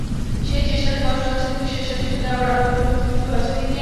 সেই চেষ্টাতে কষ্ট আছে, কিন্তু শেষ হাসিটা দেওয়ার আনন্দ এবং তৃপ্তিও আছে।